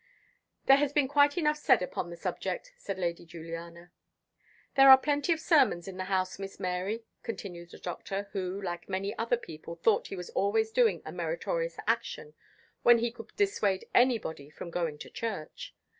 "There has been quite enough said upon the subject," said Lady Juliana. "There are plenty of sermons in the house, Miss Mary," continued the Doctor, who, like many other people, thought he was always doing a meritorious action when he could dissuade anybody from going to church.